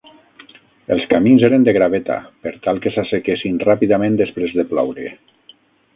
Els camins eren de graveta, per tal que s'assequessin ràpidament després de ploure.